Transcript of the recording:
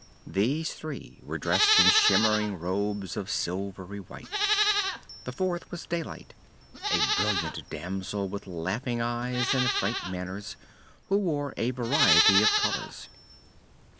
These three were dressed in shimmering robes of silvery white. The fourth was Daylight, a brilliant damsel with laughing eyes and frank manners, who wore a variety of colors.